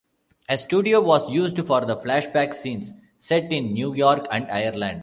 A studio was used for the flashback scenes set in New York and Ireland.